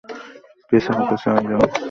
পেছাও, পেছনে যাও।